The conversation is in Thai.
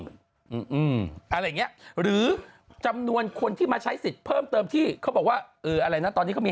การเรียกหรือจำนวนคนที่มาใช้สิทธิ์เพิ่มเติมที่เขาบอกว่าอะไรนะตอนนี้มี